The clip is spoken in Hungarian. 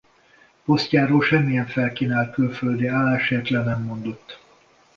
Posztjáról semmilyen felkínált külföldi állásért le nem mondott.